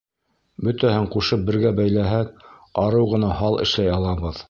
Бөтәһен ҡушып бергә бәйләһәк, арыу ғына һал эшләй алабыҙ.